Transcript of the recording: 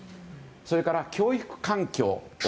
それから教育環境。